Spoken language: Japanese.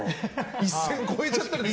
一線超えちゃったら。